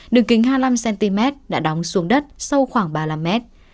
đường kính hai mươi năm cm đã đóng xuống đất sâu khoảng ba mươi năm mét